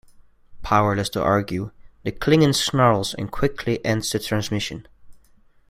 Powerless to argue, the Klingon snarls and quickly ends the transmission.